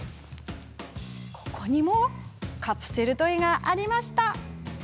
ここにもカプセルトイがありました。